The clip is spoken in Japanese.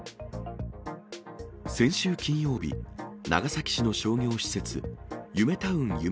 先週金曜日、長崎市の商業施設、ゆめタウン夢